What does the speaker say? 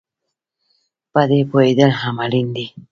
په دې پوهېدل هم اړین دي